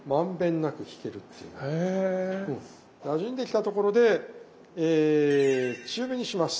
なじんできたところで中火にします。